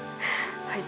はい。